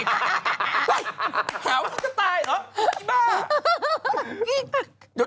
แข็งอยู่กับตายเหรอ